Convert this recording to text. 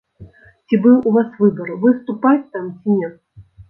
Ці быў у вас выбар, выступаць там ці не?